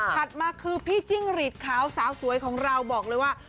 มาคือพี่จิ้งหรีดขาวสาวสวยของเราบอกเลยว่า